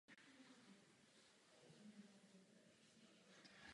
Jako obvykle je cílem vytvořit linii ze svých značek.